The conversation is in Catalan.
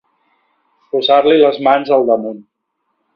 Posar-li les mans al damunt.